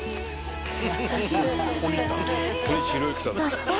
［そして］